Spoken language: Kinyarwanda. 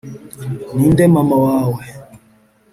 ninde mama wawe